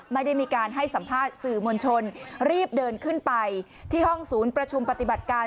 ไม่ได้มีการให้สัมภาษณ์สื่อมวลชนรีบเดินขึ้นไปที่ห้องศูนย์ประชุมปฏิบัติการ